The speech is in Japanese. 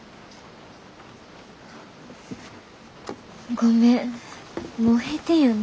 ごめんもう閉店やんな。